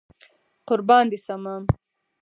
قربان دي شمه